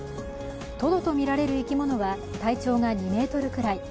トドとみられる生き物は体長が２ｍくらい。